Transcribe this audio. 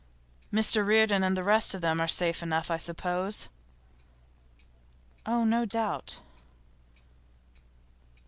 'Mrs Reardon and the rest of them are safe enough, I suppose?' 'Oh, no doubt.